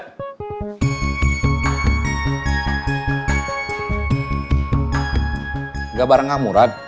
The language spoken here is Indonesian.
enggak bareng kamu rad